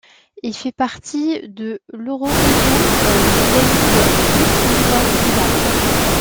Il fait partie de l'Eurorégion Danube-Criș-Mureș-Tisa.